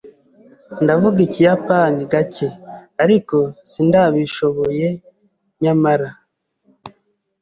Ndavuga Ikiyapani gake, ariko sindabishoboye, nyamara.